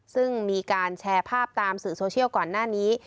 ซึ่งมีการแชร์ภาพตามสื่อโซเชียลก่อนหน้านี้